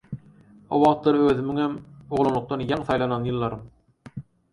O wagtlar özümiňem oglanlykdan ýaňy saýlanan ýyllarym